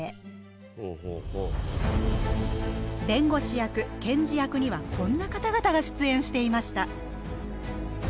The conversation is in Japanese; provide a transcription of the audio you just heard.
弁護士役検事役にはこんな方々が出演していました。